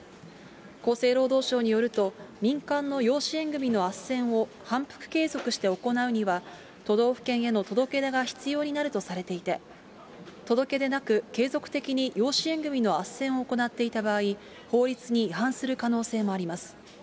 厚生労働省によると、民間の養子縁組のあっせんを、反復継続して行うには、都道府県への届け出が必要になるとされていて、届け出なく継続的に養子縁組みのあっせんを行っていた場合、法律に違反する可能性もあります。